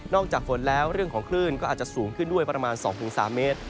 จากฝนแล้วเรื่องของคลื่นก็อาจจะสูงขึ้นด้วยประมาณ๒๓เมตร